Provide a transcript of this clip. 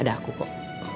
ada aku kok